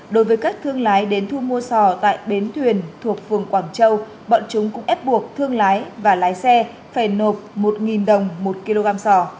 đối với các thương lái đến thu mua sỏ tại bến thuyền thuộc phường quảng châu bọn chúng cũng ép buộc thương lái và lái xe phải nộp một đồng một kg sò